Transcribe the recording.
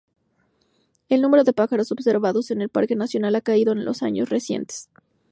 El número de pájaros observados en el parque nacional ha caído en años recientes.